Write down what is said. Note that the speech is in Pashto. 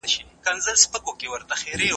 په بل انځور کې سمندر ارام دی